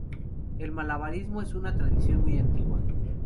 El malabarismo es una tradición muy antigua.